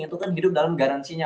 itu kan hidup dalam garansinya